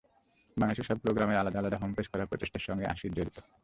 বাংলাদেশের সবগুলো গ্রামের আলাদা আলাদা হোমপেজ করার প্রচেষ্টার সঙ্গে আসির জড়িত।